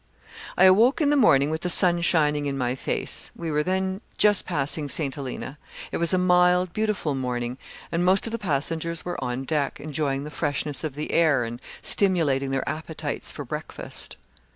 "I awoke in the morning with the sun shining in my face; we were then just passing St. Helena. It was a mild beautiful morning, and most of the passengers were on deck, enjoying the freshness of the air, and stimulating their appetites for breakfast.